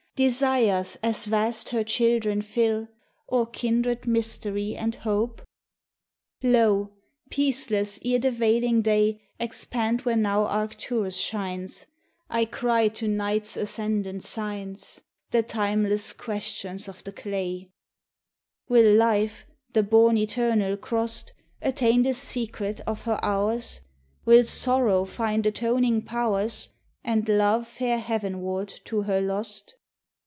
Desires as vast her children fill, Or kindred mystery and hope? 65 THE TESTIMONY OF THE SUNS. Lo! peaceless, ere the veiling day Expand where now Arcturus shines, I cry to night's ascendant Signs The timeless questions of the clay: Will Life, the bourne eternal crossed, Attain the secret of her hours? Will Sorrow find atoning Pow'rs, And Love fare heavenward to her lost?